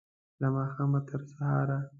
له ماښامه، تر سهاره